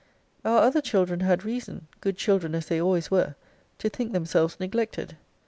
Our other children had reason (good children as they always were) to think themselves neglected.